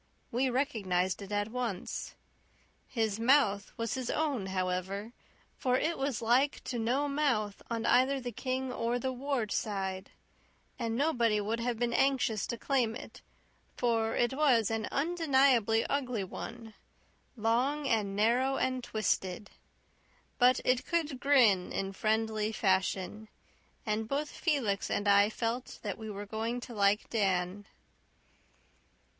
We recognized it at once. His mouth was his own, however, for it was like to no mouth on either the King or the Ward side; and nobody would have been anxious to claim it, for it was an undeniably ugly one long and narrow and twisted. But it could grin in friendly fashion, and both Felix and I felt that we were going to like Dan.